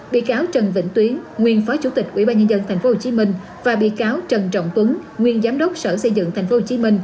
bị cáo trần vĩnh tuyến nguyên phó chủ tịch ubnd tp hcm và bị cáo trần trọng tuấn nguyên giám đốc sở xây dựng tp hcm